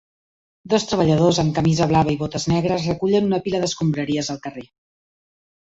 Dos treballadors amb camisa blava i botes negres recullen una pila d'escombraries al carrer.